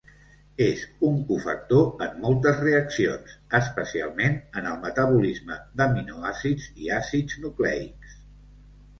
És un cofactor en moltes reaccions, especialment en el metabolisme d'aminoàcids i àcids nucleics.